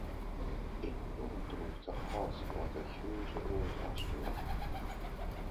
In front of the house was a huge old ash-tree.